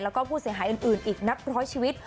แล้วก็ผู้เสียหายอื่นอื่นอีกนับ๑๐๐ชีวิต